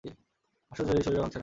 আশ্চর্য এই, শরীরও ভাঙছে না।